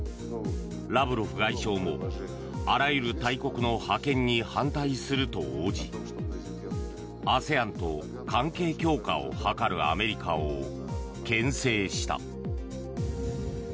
ラブロフ外相もあらゆる大国の覇権に反対すると応じＡＳＥＡＮと関係強化を図るアメリカをけん制した。